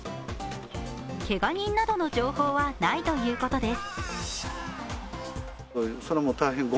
けが人などの情報はないということです。